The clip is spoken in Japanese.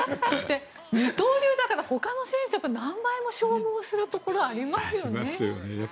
そして二刀流だからほかの選手の何倍も消耗するところありますよね。